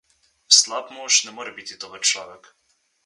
Slab mož ne more biti dober človek.